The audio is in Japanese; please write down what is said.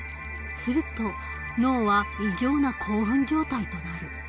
すると脳は異常な興奮状態となる。